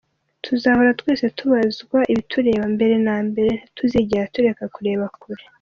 Tuzahora twese tubazwa ibitureba, mbere na mbere ntituzigera tureka kureba kure.